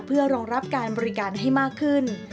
เพื่อรองรับการบริการให้มากขึ้น